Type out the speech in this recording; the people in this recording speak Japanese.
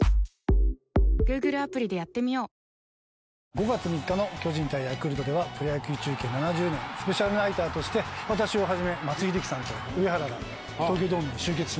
５月３日の巨人対ヤクルトではプロ野球中継７０年スペシャルナイターとして私をはじめ松井秀喜さんと上原が東京ドームに集結しますので。